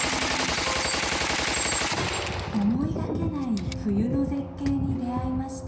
思いがけない冬の絶景に出会いました。